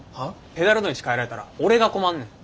ペダルの位置変えられたら俺が困んねん。